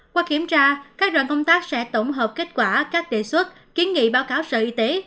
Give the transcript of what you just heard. qua kiểm tra các đoàn công tác sẽ tổng hợp kết quả các đề xuất kiến nghị báo cáo sở y tế